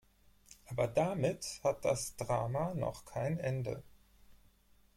Aber damit hat das Drama noch keine Ende.